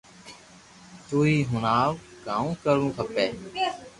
تو ھي ھڻاو ڪاو ڪروُ کپي